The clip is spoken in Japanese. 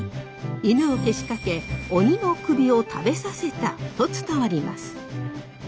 犬をけしかけ鬼の首を食べさせたと伝わります。